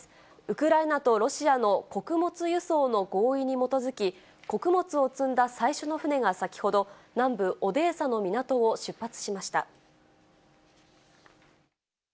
ウクライナとロシアの穀物輸送の合意に基づき、穀物を積んだ最初の船が先ほど、南部オデーサの港を出発しました。